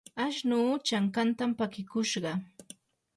ashnuu chankantam pakikushqa.